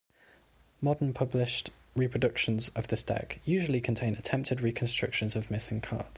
Modern published reproductions of this deck usually contain attempted reconstructions of missing cards.